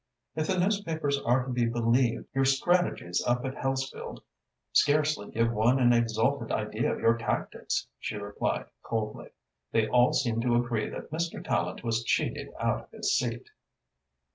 "If the newspapers are to be believed, your strategies up at Hellesfield scarcely give one an exalted idea of your tactics," she replied coldly. "They all seem to agree that Mr. Tallente was cheated out of his seat."